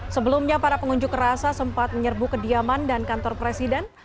sebelumnya para pengunjuk rasa sempat menyerbu kediaman dan kantor presiden